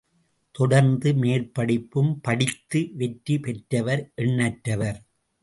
தொடர்ந்து, மேல் படிப்பும் படித்து வெற்றி பெற்றவர், எண்ணற்றவர்.